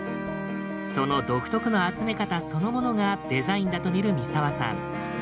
その独特の集め方そのものがデザインだと見る三澤さん。